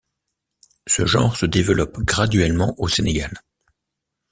Ce genre se développe graduellement au Sénégal.